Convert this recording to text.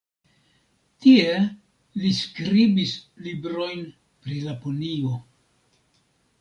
Tie li skribis librojn pri Laponio.